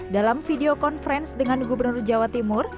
dalam video conference dengan gubernur jawa timur